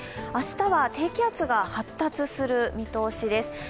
明日は低気圧が発達する見通しです。